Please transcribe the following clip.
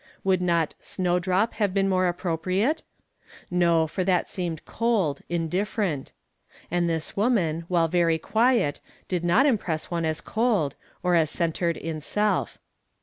Would not "snowdrop " liave been uiore appropriates ? No, for that seemed cold, in difk rent; and this woman, while very (piiet, did not imj)ivss one as cold, or as centred in' self.